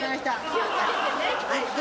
気を付けてね。